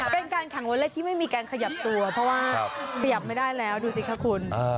เป็นการแข่งวอเล็กที่ไม่มีการขยับตัวเพราะว่าขยับไม่ได้แล้วดูสิคะคุณ